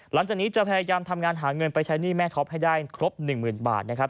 หลังจากนี้จะพยายามทำงานหาเงินไปใช้หนี้แม่ท็อปให้ได้ครบ๑๐๐๐บาทนะครับ